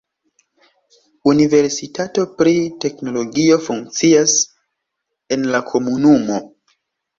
Universitato pri teknologio funkcias en la komunumo.